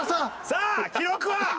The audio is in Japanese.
さあ記録は？